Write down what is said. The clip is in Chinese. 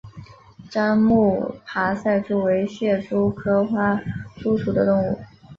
樟木爬赛蛛为蟹蛛科花蛛属的动物。